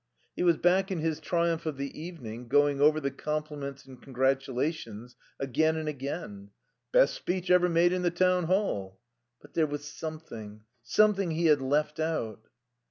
He was back in his triumph of the evening, going over the compliments and congratulations, again and again "Best speech ever made in the Town Hall " But there was something something he had left out.